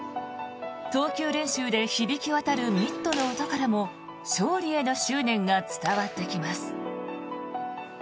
投球練習で響き渡るミットの音からも勝利への執念が伝わってきます。